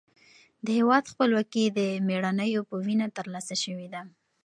د هېواد خپلواکي د مېړنیو په وینه ترلاسه شوې ده.